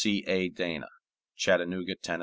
C. A. DANA, Chattanooga, Tenn.